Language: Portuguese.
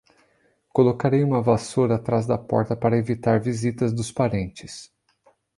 Colocarei uma vassoura atrás da porta para evitar visitas dos parentes